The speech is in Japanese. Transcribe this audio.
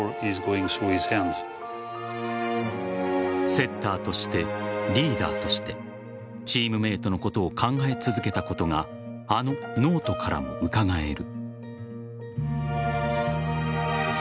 セッターとしてリーダーとしてチームメートのことを考え続けたことがあのノートからもうかがえる。